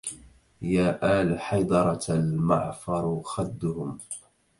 يا آل حيدرة المعفر خدهم